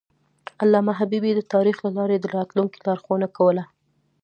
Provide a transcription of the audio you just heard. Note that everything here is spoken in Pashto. علامه حبیبي د تاریخ له لارې د راتلونکي لارښوونه کوله.